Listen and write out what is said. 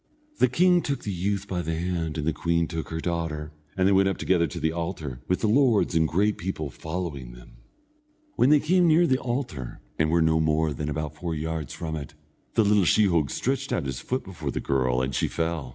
The king took the youth by the hand, and the queen took her daughter, and they went up together to the altar, with the lords and great people following them. When they came near the altar, and were no more than about four yards from it, the little sheehogue stretched out his foot before the girl, and she fell.